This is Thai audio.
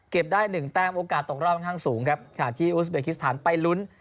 เก็บได้หนึ่งแต้มโอกาสตรงรอบน่ะข้างสูงนะครับจากที่อุศเบย์คิดฐานไปลุ้น